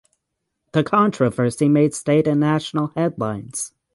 The controversy made state and national headlines.